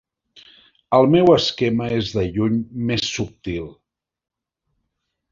El meu esquema és de lluny més subtil.